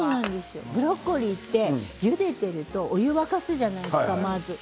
ブロッコリーってゆでているとお湯を沸かすじゃないですか、まず。